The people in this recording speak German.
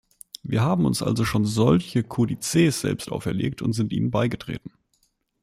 Wir haben uns also schon solche Kodizes selbst auferlegt und sind ihnen beigetreten.